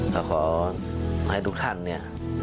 เราขอให้ทุกท่านนี่